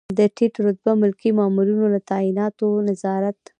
د ټیټ رتبه ملکي مامورینو له تعیناتو نظارت.